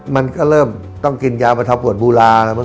มันก็เริ่มต้องกินยาประทับปวดบูรา